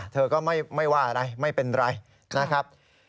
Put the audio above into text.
เธอก็ไม่ว่าอะไรไม่เป็นไรนะครับ